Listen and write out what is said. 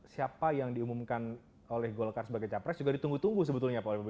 siapa yang diumumkan oleh golkar sebagai capres juga ditunggu tunggu sebetulnya pak habib